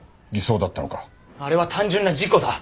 あれは単純な事故だ！